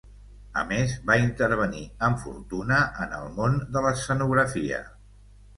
A més va intervenir amb fortuna en el món de l'escenografia.